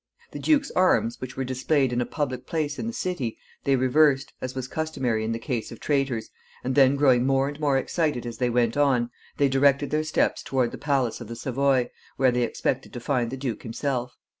The duke's arms, which were displayed in a public place in the city, they reversed, as was customary in the case of traitors, and then growing more and more excited as they went on, they directed their steps toward the palace of the Savoy, where they expected to find the duke himself.